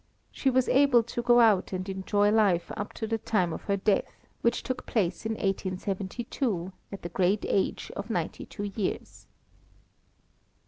She was able to go out and enjoy life up to the time of her death, which took place in 1872, at the great age of ninety two years.